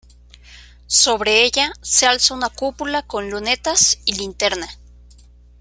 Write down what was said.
Sobre ella se alza una cúpula con lunetas y linterna.